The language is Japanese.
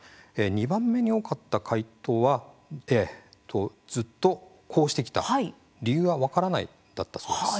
２番目に多かった回答はずっとこうしてきた理由は分からないだったそうです。